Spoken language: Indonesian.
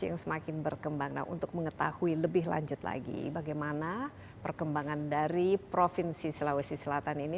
yang semakin berkembang nah untuk mengetahui lebih lanjut lagi bagaimana perkembangan dari provinsi sulawesi selatan ini